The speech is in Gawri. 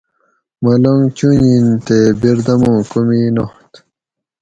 ملنگ چُنجِین تے بردمُو کومی نات